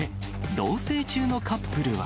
同せい中のカップルは。